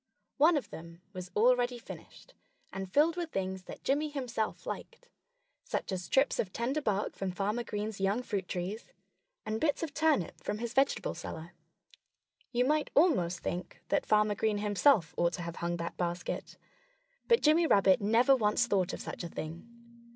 One of them was already finished, and filled with things that Jimmy himself liked such as strips of tender bark from Farmer Green's young fruit trees, and bits of turnip from his vegetable cellar. You might almost think that Farmer Green himself ought to have hung that basket. But Jimmy Rabbit never once thought of such a thing.